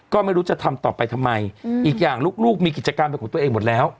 ก็ไม่รู้จะทำต่อไปทำไมอีกอย่างลูกมีกิจกรรมเป็นของตัวเองหมดแล้ว